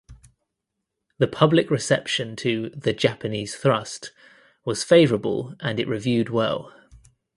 The public reception to "The Japanese Thrust" was favourable and it reviewed well.